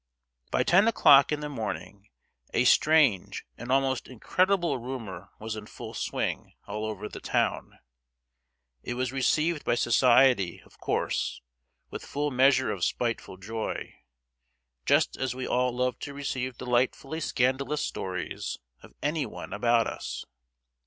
By ten o'clock in the morning a strange and almost incredible rumour was in full swing all over the town: it was received by society, of course, with full measure of spiteful joy, just as we all love to receive delightfully scandalous stories of anyone about us.